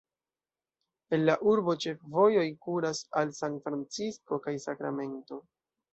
El la urbo ĉefvojoj kuras al San Francisco kaj Sakramento.